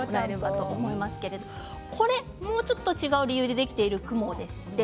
そして、いちばん下もうちょっと違う理由でできている雲です。